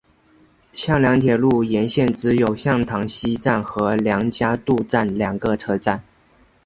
向梁铁路沿线只有向塘西站和梁家渡站两个车站。